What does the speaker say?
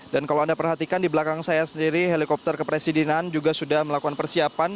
dan kalau anda perhatikan di belakang saya sendiri helikopter kepresidenan juga sudah melakukan persiapan